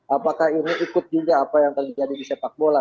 apakah ini ikut juga apa yang terjadi di sepak bola